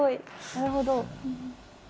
なるほど。